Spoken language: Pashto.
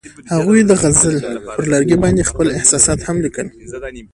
هغوی د غزل پر لرګي باندې خپل احساسات هم لیکل.